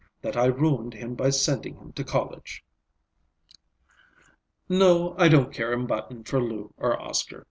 That I ruined him by sending him to college." "No, I don't care a button for Lou or Oscar.